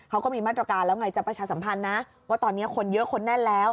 เขาก็มีมาตรการแล้วไงจะประชาสัมพันธ์นะว่าตอนนี้คนเยอะคนแน่นแล้ว